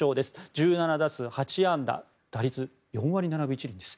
１７打数８安打打率４割７分１厘です。